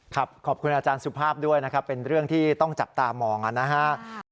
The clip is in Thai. ขอบคุณอาจารย์สุภาพด้วยนะครับเป็นเรื่องที่ต้องจับตามองนะครับ